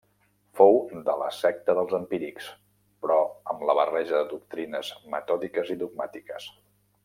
Fou de la secta dels empírics, però amb barreja de doctrines metòdiques i dogmàtiques.